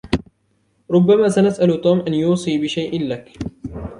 ربما سنسأل توم أن يوصي بشئ لك.